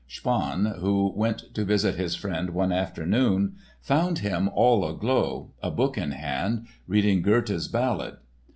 Spaun, who went to visit his friend one afternoon, found him "all aglow," a book in hand, reading Goethe's ballad.